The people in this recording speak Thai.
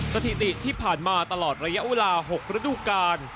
สถิติที่ผ่านมาตลอดระยะเวลา๖ฤดูกาล